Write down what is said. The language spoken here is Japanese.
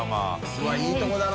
Δ錣いいとこだな